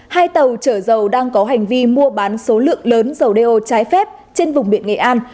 hai tàu chở dầu đang có hành vi mua bán số lượng lớn dầu đeo trái phép trên vùng biển nghệ an